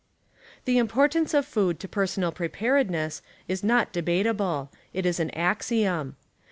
The importance of food to personal preparedness is not de batable; it is an axiom.